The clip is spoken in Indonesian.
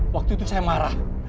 waktu itu saya marah